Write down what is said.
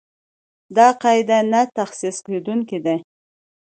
دا قاعده نه تخصیص کېدونکې ده.